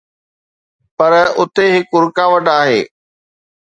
پر اتي هڪ رڪاوٽ آهي.